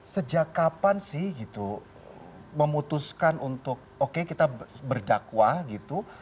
sejak kapan sih gitu memutuskan untuk oke kita berdakwah gitu